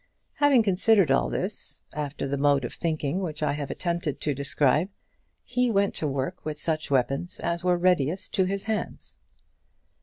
Having considered all this, after the mode of thinking which I have attempted to describe, he went to work with such weapons as were readiest to his hands.